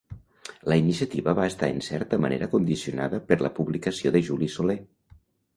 La iniciativa va estar en certa manera condicionada per la publicació de Juli Soler.